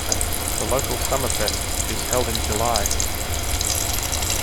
The local Summerfest, is held in July.